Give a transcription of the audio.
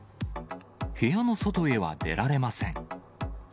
部屋の外へは出られません。